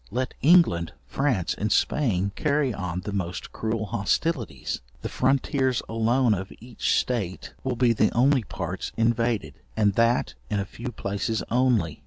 Let England, France, and Spain carry on the most cruel hostilities, the frontiers alone of each state will be the only parts invaded, and that in a few places only.